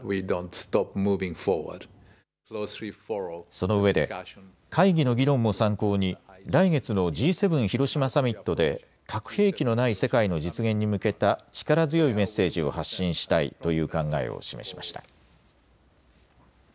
そのうえで会議の議論も参考に来月のＧ７広島サミットで核兵器のない世界の実現に向けた力強いメッセージを発信したいという考えを示しました。